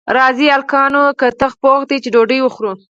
راځئ هلکانو کتغ پوخ دی چې ډوډۍ وخورو